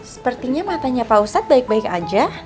sepertinya matanya pak ustadz baik baik aja